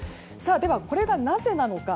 では、これがなぜなのか。